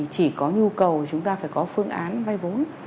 chỉ có nhu cầu chúng ta phải có phương án vay vốn